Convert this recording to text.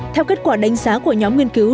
theo kết quả đánh giá của nhóm nghiên cứu